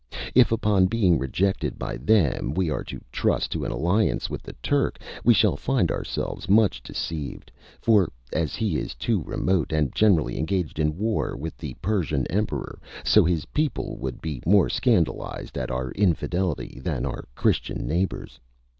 If, upon being rejected by them, we are to trust to an alliance with the Turk, we shall find ourselves much deceived; for, as he is too remote, and generally engaged in war with the Persian emperor, so his people would be more scandalised at our infidelity than our Christian neighbours.